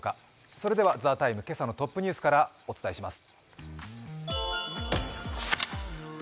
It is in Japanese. それでは「ＴＨＥＴＩＭＥ，」今朝のトップニュースからお伝えします。